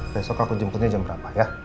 besok aku jemputnya jam berapa ya